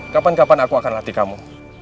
kapan kapan aku akan latih kamu